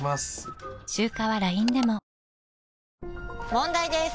問題です！